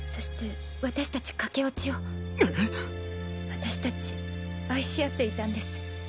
私たち愛し合っていたんです。